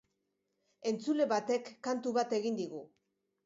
Entzule batek kantu bat egin digu.